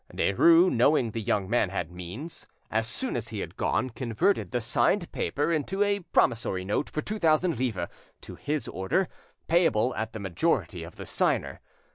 Derues, knowing the young man had means, as soon as he had gone, converted the signed paper into a promissory note for two thousand livres, to his order, payable at the majority of the signer.